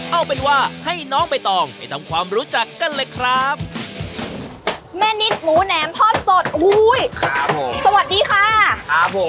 เอาเป็นว่าให้น้องใบตองไปทำความรู้จักกันเลยครับแม่นิดหมูแหนมทอดสดอุ้ยครับผมสวัสดีค่ะครับผม